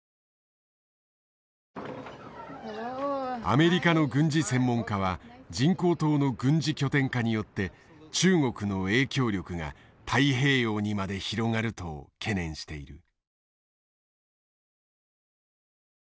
アメリカの軍事専門家は人工島の軍事拠点化によって中国の影響力が太平洋にまで広がると懸念している。